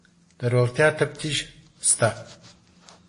د روغتیا تفتیش شته؟